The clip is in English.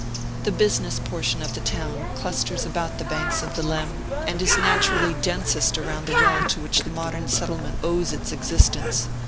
The business portion of the town clusters about the banks of the Leam, and is naturally densest around the well to which the modern settlement owes its existence.